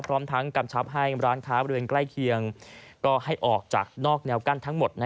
พร้อมทั้งกำชับให้ร้านค้าบริเวณใกล้เคียงก็ให้ออกจากนอกแนวกั้นทั้งหมด